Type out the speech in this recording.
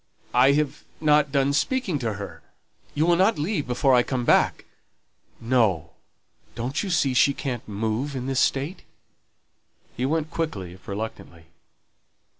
"I have not done speaking to her; you will not leave before I come back?" "No. Don't you see she can't move in this state?" He went quickly, if reluctantly.